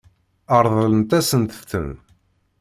Ṛeḍlent-asent-ten.